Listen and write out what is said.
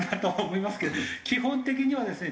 基本的にはですね